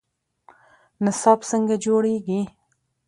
نصاب څنګه جوړیږي؟